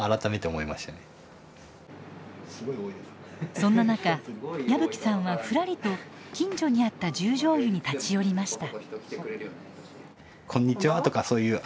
そんな中矢吹さんはふらりと近所にあった十條湯に立ち寄りました。